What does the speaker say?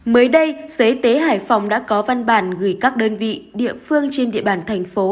mới đây sở y tế hải phòng đã có văn bản gửi các đơn vị địa phương trên địa bàn thành phố